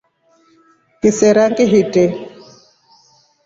Ngisera ngiitre.